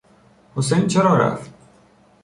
حسین چرا رفت؟